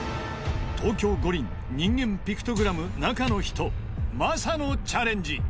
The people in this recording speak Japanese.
［東京五輪人間ピクトグラム中の人ＭＡＳＡのチャレンジ］